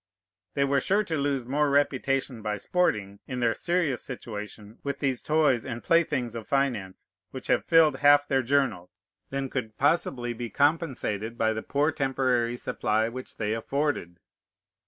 They were sure to lose more reputation by sporting, in their serious situation, with these toys and playthings of finance, which have filled half their journals, than could possibly be compensated by the poor temporary supply which they afforded.